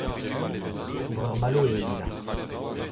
Breur Malo eo Lila.